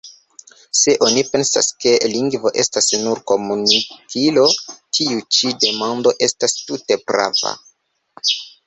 Se oni pensas, ke lingvo estas nur komunikilo, tiu ĉi demando estas tute prava.